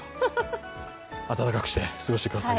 温かくして過ごしてください。